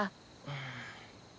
うん。